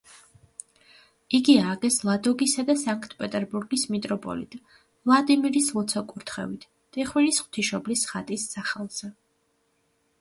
იგი ააგეს ლადოგისა და სანქტ-პეტერბურგის მიტროპოლიტ ვლადიმირის ლოცვა-კურთხევით ტიხვინის ღვთისმშობლის ხატის სახელზე.